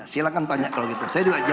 silahkan tanya kalau gitu saya juga jawab